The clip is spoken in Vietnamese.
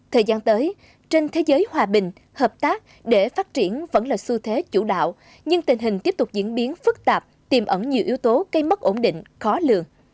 thời gian tới trên thế giới hòa bình hợp tác để phát triển vẫn là xu thế chủ đạo nhưng tình hình tiếp tục diễn biến phức tạp tiềm ẩn nhiều yếu tố cây mất ổn định khó lường